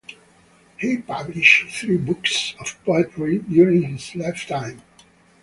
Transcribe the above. He published three books of poetry during his lifetime.